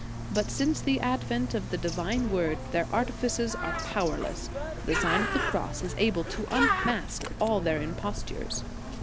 But since the advent of the Divine Word, their artifices are powerless; the Sign of the Cross is able to unmask all their impostures.